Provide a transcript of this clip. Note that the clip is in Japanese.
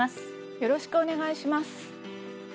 よろしくお願いします。